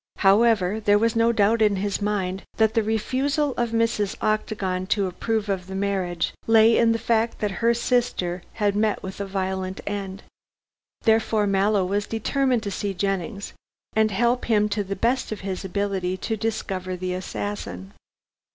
However, there was no doubt in his mind that the refusal of Mrs. Octagon to approve of the marriage lay in the fact that her sister had met with a violent end. Therefore Mallow was determined to see Jennings, and help him to the best of his ability to discover the assassin.